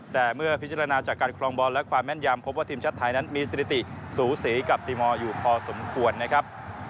แต่เมื่อพิจารณาจากการครองบอลและความแม่นยำพบว่าทีมชาติไทยนั้นมีสถิติสูสีกับตีมอลอยู่พอสมควรนะครับ